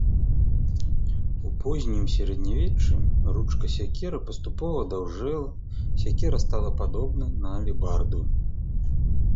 У познім сярэднявеччы ручка сякеры паступова даўжэла, сякера стала падобна на алебарду.